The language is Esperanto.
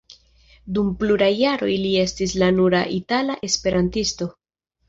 Dum pluraj jaroj li estis la nura itala esperantisto.